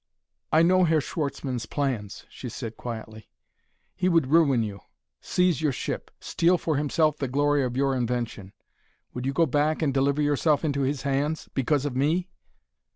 "I know Herr Schwartzmann's plans," she said quietly. "He would ruin you; seize your ship; steal for himself the glory of your invention. Would you go back and deliver yourself into his hands because of me?"